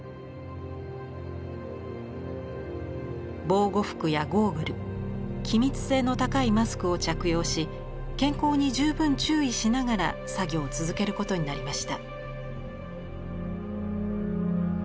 防護服やゴーグル気密性の高いマスクを着用し健康に十分注意しながら作業を続けることになりました。